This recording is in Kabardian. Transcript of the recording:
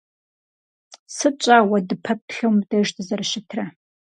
Сыт щӀа уэ дыппэплъэу мобдеж дызэрыщытрэ.